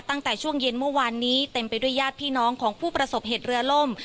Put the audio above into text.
ตั้งแต่ช่วงเย็นเมื่อวานนี้เต็มไปด้วยญาติพี่น้องของผู้ประสบเหตุเรือล่ม